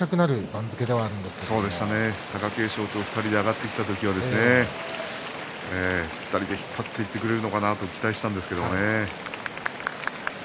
貴景勝と２人で上がってきた時は引っ張っていってくれると期待したんですけどね。